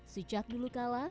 sejak dulu kala